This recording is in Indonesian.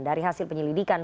dari hasil penyelidikan